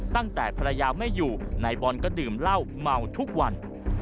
ตั้งแต่ภรรยาไม่อยู่นายบอลก็ดื่มเหล้าเมาทุกวัน